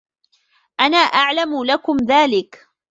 أَنَا أَعْلَمُ لَكُمْ ذَلِكَ